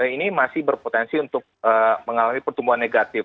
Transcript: ini masih berpotensi untuk mengalami pertumbuhan negatif